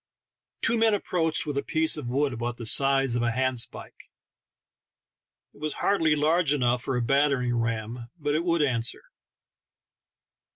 Two men approached with a piece of wood about the size of a handspike. It was hardly large enough for a battering ram, but it would answer.